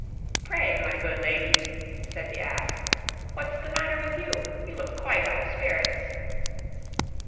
'Pray, my good lady,' said the ass, 'what's the matter with you? You look quite out of spirits!